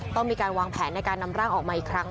ต้องมีการวางแผนในการนำร่างออกมาอีกครั้ง